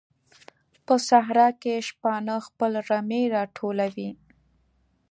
په صحراء کې شپانه خپل رمې راټولوي.